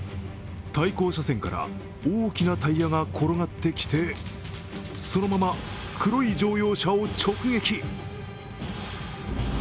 対向車線から大きなタイヤが転がってきて、そのまま、黒い乗用車を直撃。